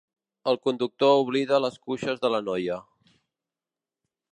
El conductor oblida les cuixes de la noia.